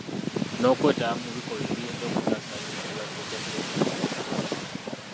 N’okwetaba mu bikolwa ebiyinza okusaasaanya ekirwadde kya ssennyiga omukambwe.